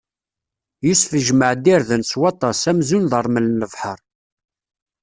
Yusef ijemɛ-d irden s waṭas, amzun d ṛṛmel n lebḥeṛ.